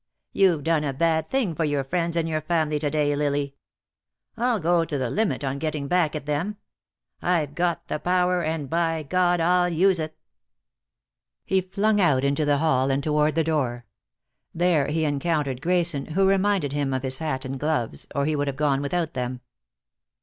You've done a bad thing for your friends and your family to day, Lily. I'll go the limit on getting back at them. I've got the power, and by God, I'll use it." He flung out into the hall, and toward the door. There he encountered Grayson, who reminded him of his hat and gloves, or he would have gone without them.